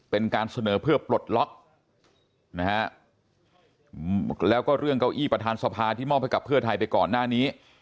เป็นการเสนอเพื่อปลดล็อกนะฮะแล้วก็เรื่องเก้าอี้ประธานสภาที่มอบให้กับเพื่อไทยไปก่อนหน้านี้